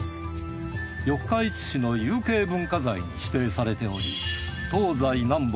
四日市市の有形文化財に指定されており東西南北